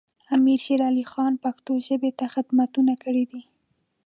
امیر شیر علی خان پښتو ژبې ته خدمتونه کړي دي.